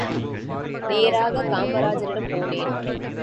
நேராக காமராஜரிடம் போனேன்.